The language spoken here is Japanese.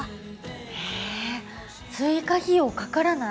へえ追加費用かからない。